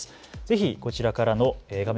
ぜひこちらの画面